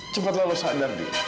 cepatlah lo sadar dil